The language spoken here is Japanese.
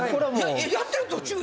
やってる途中やん。